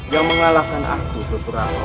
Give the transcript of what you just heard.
yang mengalahkan aku beberapa